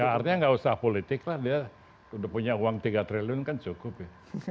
ya artinya nggak usah politik lah dia udah punya uang tiga triliun kan cukup ya